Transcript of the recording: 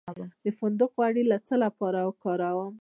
د فندق غوړي د څه لپاره وکاروم؟